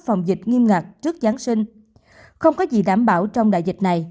phòng dịch nghiêm ngặt trước giáng sinh không có gì đảm bảo trong đại dịch này